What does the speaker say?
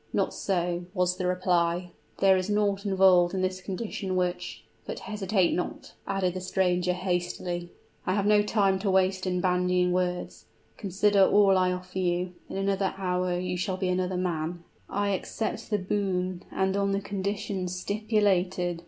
"Not so," was the reply. "There is naught involved in this condition which But hesitate not," added the stranger, hastily: "I have no time to waste in bandying words. Consider all I offer you: in another hour you shall be another man!" "I accept the boon and on the conditions stipulated!"